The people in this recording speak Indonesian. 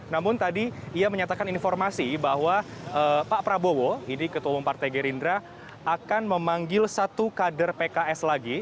namun tadi ia menyatakan informasi bahwa pak prabowo ini ketua umum partai gerindra akan memanggil satu kader pks lagi